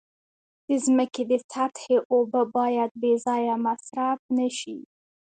د ځمکې د سطحې اوبه باید بې ځایه مصرف نشي.